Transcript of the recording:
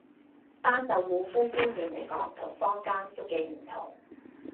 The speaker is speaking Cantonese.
單就護膚觀念嚟講同坊間都幾唔同